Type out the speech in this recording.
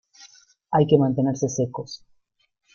hay que mantenerse secos ;